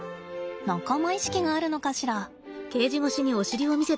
仲間意識があるのかしら。